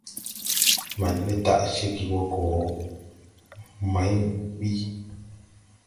Maŋ ɓe daʼ cegè we go may bi.